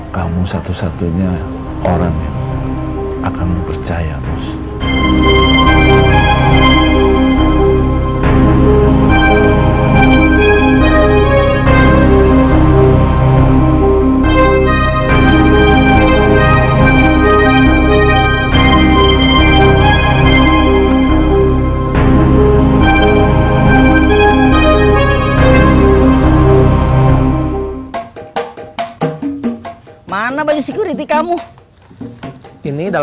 kamu satu satunya orangnya akan mempercayai